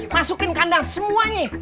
masukin kandang semuanya